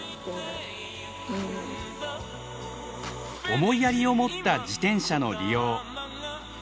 思いやりを持った自転車の利用。